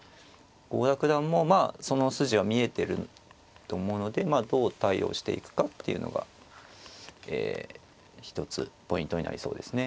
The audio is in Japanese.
郷田九段もその筋は見えてると思うのでどう対応していくかっていうのがえ一つポイントになりそうですね。